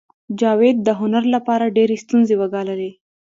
جاوید د هنر لپاره ډېرې ستونزې وګاللې